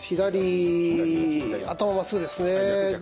頭まっすぐですね。